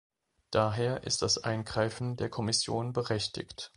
Daher ist das Eingreifen der Kommission berechtigt.